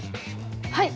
はい。